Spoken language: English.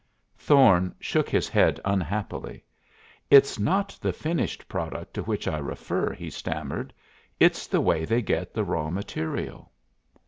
Thorne shook his head unhappily. "It's not the finished product to which I refer," he stammered; "it's the way they get the raw material."